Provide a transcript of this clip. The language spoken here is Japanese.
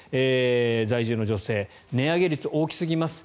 在住の女性値上げ率が大きすぎます。